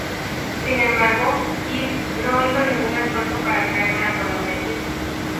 Sin embargo, Heath no hizo ningún esfuerzo para crear una colonia allí.